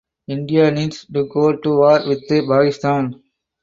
India needs to go to war with Pakistan.